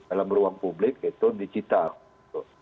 dalam ruang publik itu digital gitu